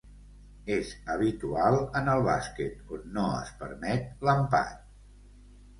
És habitual en el bàsquet, on no es permet l'empat.